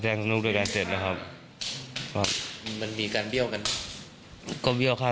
แล้วเขาด่า